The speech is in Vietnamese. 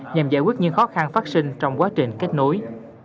nhằm giải quyết những khó khăn phát sinh trong quá trình kết nối